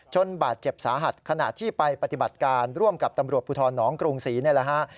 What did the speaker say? บาดเจ็บสาหัสขณะที่ไปปฏิบัติการร่วมกับตำรวจภูทรหนองกรุงศรีนี่แหละฮะ